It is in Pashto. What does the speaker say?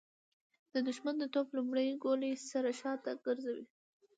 د د ښمن د توپ له لومړۍ ګولۍ سره شاته ګرځو.